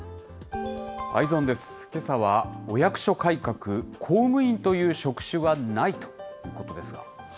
けさは、お役所改革、公務員という職種はないということですが。